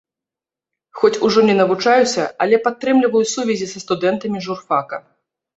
Хоць ужо не навучаюся, але падтрымліваю сувязі са студэнтамі журфака.